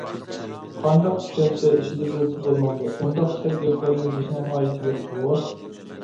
قانداق چۈشەنسە ئىچىدە بىلسە بولمامدۇ؟ ئۇنداق سەت گەپلەرنى يېزىشنىڭ ھاجىتى يوقتىغۇ؟